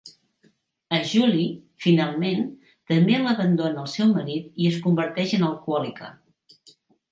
A Julie, finalment, també l'abandona el seu marit i es converteix en alcohòlica.